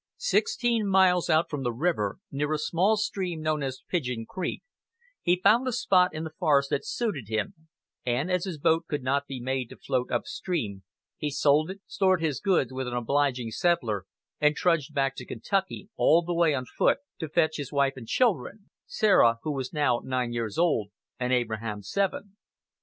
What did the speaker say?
Sixteen miles out from the river, near a small stream known as Pigeon Creek, he found a spot in the forest that suited him; and as his boat could not be made to float up stream, he sold it, stored his goods with an obliging settler, and trudged back to Kentucky, all the way on foot, to fetch his wife and children Sarah, who was now nine years old, and Abraham, seven.